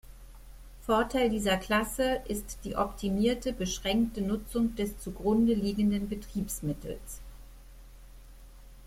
Vorteil dieser Klasse ist die optimierte, beschränkte Nutzung des zugrunde liegenden Betriebsmittels.